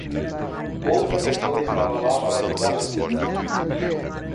Outra pessoa estava lá para ajudá-lo em seu destino.